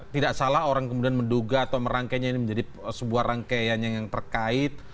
tidak salah orang kemudian menduga atau merangkainya ini menjadi sebuah rangkaian yang terkait